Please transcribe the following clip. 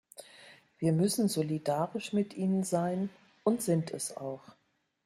Wir müssen solidarisch mit ihnen sein, und sind es auch.